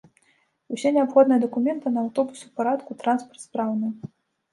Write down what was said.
Усе неабходныя дакументы на аўтобус у парадку, транспарт спраўны.